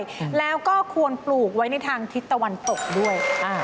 คนเดียวก็ควรปลูกไว้ในทางทิศตะวันตกด้วย